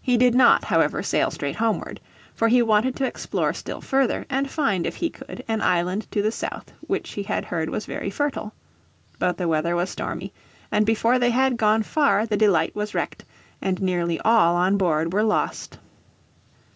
He did not, however, sail straight homeward. For he wanted to explore still further, and find, if he could, an island to the south which he had heard was very fertile. But the weather was stormy, and before they had gone far the Delight was wrecked, and nearly all on board were lost.